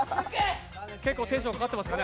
結構、テンションかかってますかね。